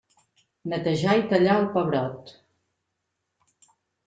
Netejar i tallar el pebrot.